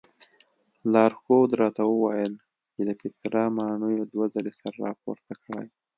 لارښود راته وویل چې د پیترا ماڼیو دوه ځلې سر راپورته کړی.